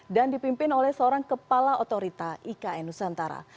dan dipimpin oleh seorang kepala otorita ikn nusantara